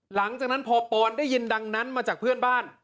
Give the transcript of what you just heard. หลังจากนั้นพอปอนได้ยินดังนั้นมาจากเพื่อนบ้าน